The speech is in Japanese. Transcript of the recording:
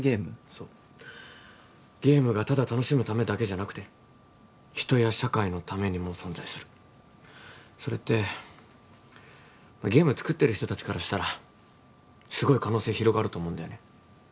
そうゲームがただ楽しむためだけじゃなくて人や社会のためにも存在するそれってゲーム作ってる人達からしたらすごい可能性広がると思うんだよね